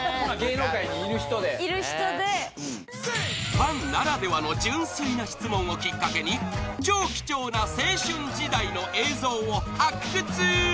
［ファンならではの純粋な質問をきっかけに超貴重な青春時代の映像を発掘］